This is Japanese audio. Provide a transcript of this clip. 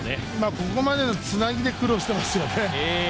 ここまでのつなぎで苦労していますよね。